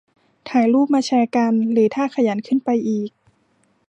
ถ่ายรูปมาแชร์กัน - หรือถ้าขยันขึ้นไปอีก